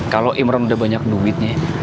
kalau imron udah banyak duitnya